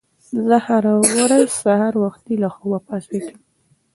زه هره ورځ سهار وختي له خوبه پاڅېږم.